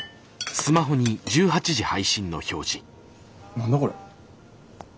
何だこれ？